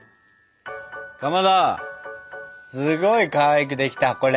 かまどすごいかわいくできたこれ。